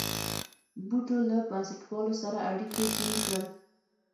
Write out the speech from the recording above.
بوټو له بنسټپالو سره اړیکي ټینګ کړل.